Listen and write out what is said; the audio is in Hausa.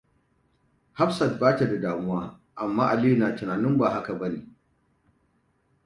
Hafsat bata da damuwa, amma Aliyu na tunanin ba haka bane.